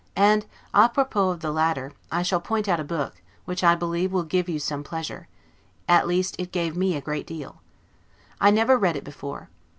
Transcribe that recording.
And 'a propos' of the latter, I shall point out a book, which I believe will give you some pleasure; at least it gave me a great deal. I never read it before.